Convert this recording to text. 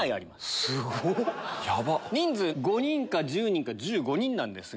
人数５人か１０人か１５人ですが。